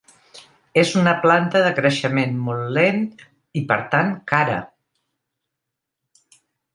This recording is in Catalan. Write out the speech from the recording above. És una planta de creixement molt lent i per tant cara.